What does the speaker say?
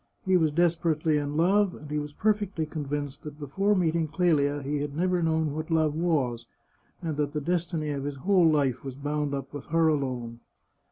He was desper ately in love, and he was perfectly convinced that before meeting Clelia he had never known what love was, and that the destiny of his whole life was bound up with her alone.